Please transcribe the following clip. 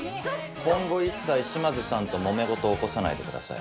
今後一切島津さんともめ事を起こさないでください。